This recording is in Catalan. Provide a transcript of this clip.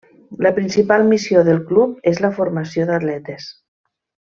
La principal missió del club és la formació d'atletes.